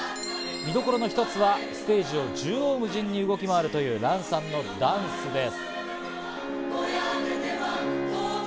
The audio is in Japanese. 見どころの一つはステージを縦横無尽に動き回るという、ＲＡＮさんのダンスです。